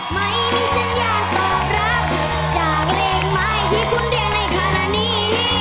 ไม่มีสัญญาณตอบรับจากเลขหมายที่คุณเรียกในขณะนี้